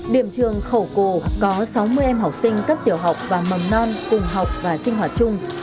điểm trường khẩu cù có sáu mươi em học sinh cấp tiểu học và mầm non cùng học và sinh hoạt chung